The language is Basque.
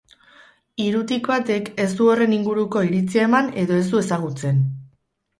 Hirutik batek ez du horren inguruko iritzia eman edo ez du ezagutzen.